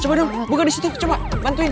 coba dong buka disitu coba bantuin